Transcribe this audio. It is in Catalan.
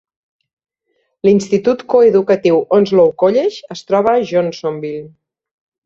L'institut coeducatiu Onslow College es troba a Johnsonville